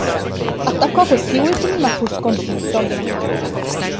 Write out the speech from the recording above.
Attaccò questi ultimi ma fu sconfitto.